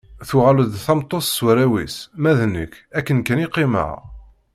Tuɣal d tameṭṭut s warraw-is, ma d nekk akken kan i qqimeɣ.